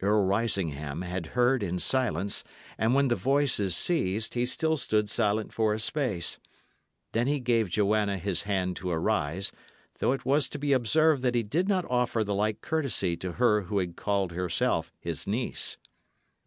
Earl Risingham had heard in silence, and when the voices ceased, he still stood silent for a space. Then he gave Joanna his hand to arise, though it was to be observed that he did not offer the like courtesy to her who had called herself his niece.